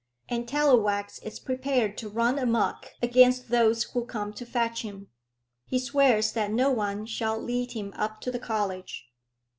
"And Tallowax is prepared to run amuck against those who come to fetch him. He swears that no one shall lead him up to the college."